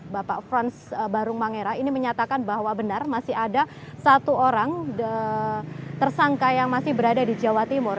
bapak frans barung mangera ini menyatakan bahwa benar masih ada satu orang tersangka yang masih berada di jawa timur